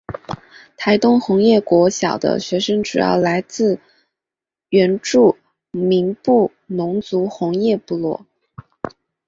台东红叶国小的学生主要来自原住民布农族红叶部落。